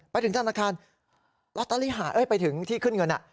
ไปถึงสนทนากันลอตเตอรี่หายเอ้ยไปถึงที่ขึ้นเงินอะ